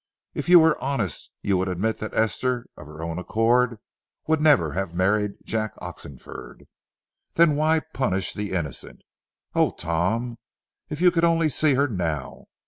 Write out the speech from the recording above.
If you were honest, you would admit that Esther of her own accord would never have married Jack Oxenford. Then why punish the innocent? Oh, Tom, if you could only see her now!